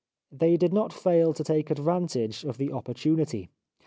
They did not fail to take advantage of the opportunity.